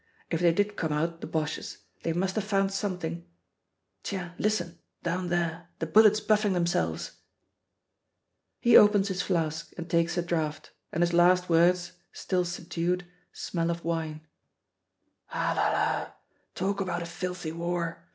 If they did come out, the Boches, they must have found something.' Tiens, listen, down there, the bullets buffing themselves!" He opens his flask and takes a draught, and his last words, still subdued, smell of wine: "Ah, la, la! Talk about a filthy war!